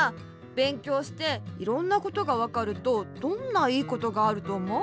べんきょうしていろんなことがわかるとどんないいことがあるとおもう？